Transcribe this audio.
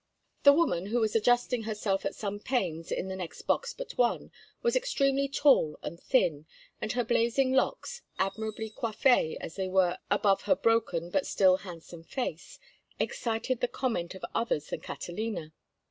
The woman, who was adjusting herself at some pains in the next box but one, was extremely tall and thin, and her blazing locks, admirably coiffée as they were above her broken but still handsome face, excited the comment of others than Catalina.